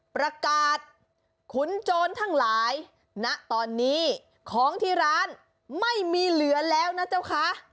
ประกาศขุนโจรทั้งหลายณตอนนี้ของที่ร้านไม่มีเหลือแล้วนะเจ้าคะ